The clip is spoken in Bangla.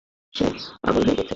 সে পাগল হয়ে গেছে!